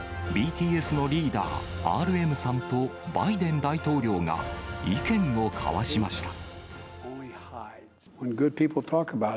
ＢＴＳのリーダー、ＲＭさんとバイデン大統領が意見を交わしました。